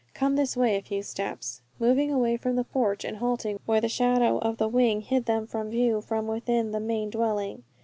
"Come this way a few steps," moving away from the porch and halting where the shadow of the wing hid them from view from within the main dwelling.